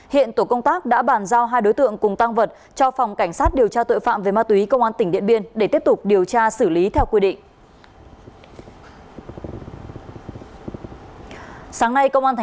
hiện tổ công tác đã bàn giao hai đối tượng cùng tăng vật cho phòng cảnh sát điều tra tội phạm về ma túy công an tỉnh điện biên để tiếp tục điều tra xử lý theo quy định